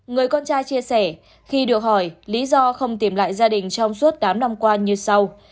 người con trai chia sẻ khi được hỏi lý do không tìm lại gia đình trong suốt tám năm qua như sau